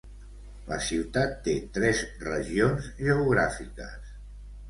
La ciutat té tres regions geogràfiques.